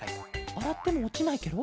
あらってもおちないケロ？